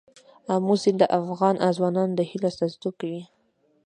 آمو سیند د افغان ځوانانو د هیلو استازیتوب کوي.